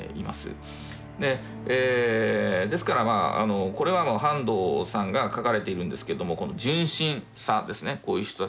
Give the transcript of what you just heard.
ですからまあこれは半藤さんが書かれているんですけどもこの純真さですねこういう人たちの。